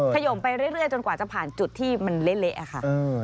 ขยมไปเรื่อยจนกว่าจะผ่านจุดที่มันเละค่ะ